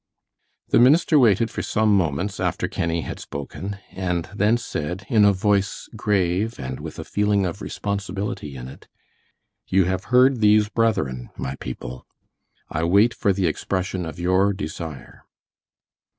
The minister waited for some moments after Kenny had spoken, and then said, in a voice grave and with a feeling of responsibility in it: "You have heard these brethren, my people. I wait for the expression of your desire."